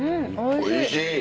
おいしい！